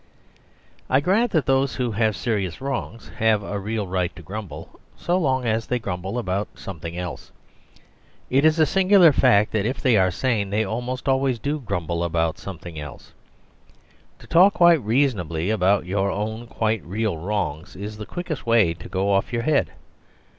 I grant that those who have serious wrongs have a real right to grumble, so long as they grumble about something else. It is a singular fact that if they are sane they almost always do grumble about something else. To talk quite reasonably about your own quite real wrongs is the quickest way to go off your head.